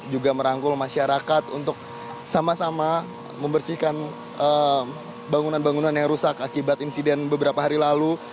juga merangkul masyarakat untuk sama sama membersihkan bangunan bangunan yang rusak akibat insiden beberapa hari lalu